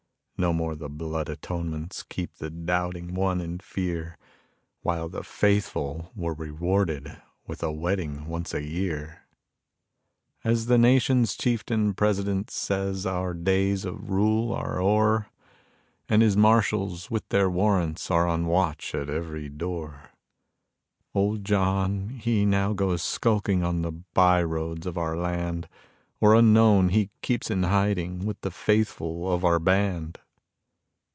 No more the blood atonements keep the doubting one in fear, While the faithful were rewarded with a wedding once a year. As the nation's chieftain president says our days of rule are o'er And his marshals with their warrants are on watch at every door, Old John he now goes skulking on the by roads of our land, Or unknown he keeps in hiding with the faithful of our band.